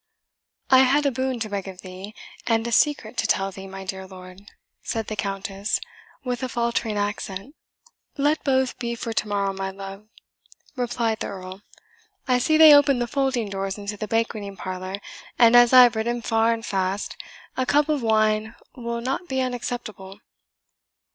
"I had a boon to beg of thee, and a secret to tell thee, my dear lord," said the Countess, with a faltering accent. "Let both be for to morrow, my love," replied the Earl. "I see they open the folding doors into the banqueting parlour, and as I have ridden far and fast, a cup of wine will not be unacceptable."